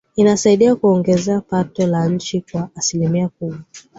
inasaidia kuongeza pato la nchi kwa asilimia kubwa